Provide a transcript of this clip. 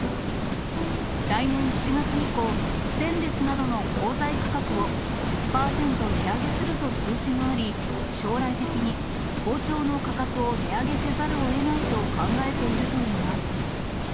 来年１月以降、ステンレスなどの鋼材価格を１０％値上げすると通知があり、将来的に包丁の価格を値上げせざるをえないと考えているといいます。